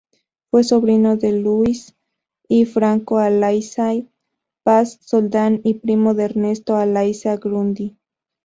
Fue sobrino de Luis y Francisco Alayza Paz-Soldán y primo de Ernesto Alayza Grundy.